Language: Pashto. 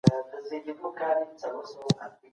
پښتو په رښتیني ډول زده کړه.